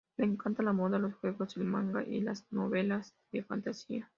Le encanta la moda, los juegos, el manga y las novelas de fantasía.